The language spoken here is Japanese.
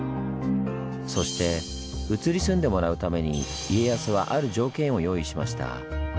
そして移り住んでもらうために家康はある条件を用意しました。